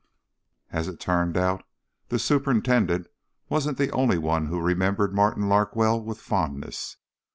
As it turned out, the superintendent wasn't the only one who remembered Martin Larkwell with fondness.